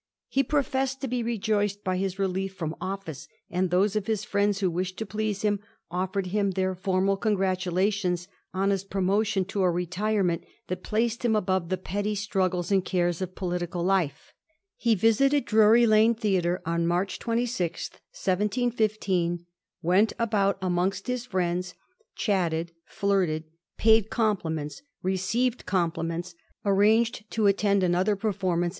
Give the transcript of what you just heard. He pro fessed to be rejoiced by hi3 release from office, and those of his fiiends who wished to please him ofi^ered him their formal congratulations on his promotion to a retirement that placed him above the petty struggles and cares of political life. He visited Drury Lane Theatre on March 26, 1715, went about amongst his friends, chatted, flirted, paid compliments, received compliments, arranged to attend another performance Digiti zed by Google 136 A HISTORY OF THE FOUR GEOBOES. ch.ti.